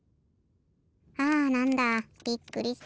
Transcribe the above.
あなんだびっくりした。